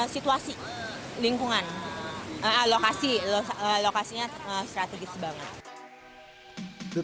situasi lingkungan lokasinya strategis banget